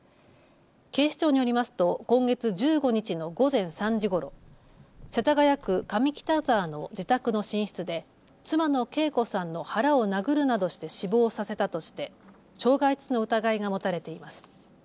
警視庁によりますと今月１５日の午前３時ごろ、世田谷区上北沢の自宅の寝室で妻の惠子さんの腹を殴るなどして死亡させたとして傷害致死の疑いが持たれています。